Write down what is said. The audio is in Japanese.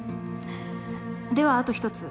ではあと一つ。